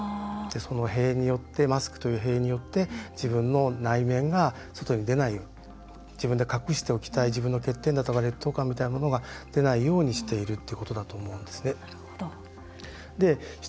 そのマスクという塀によって自分の内面が外に出ないように自分で隠しておきたい自分のコンプレックス劣等感みたいなものが出ないようにしているということだと思うんですね。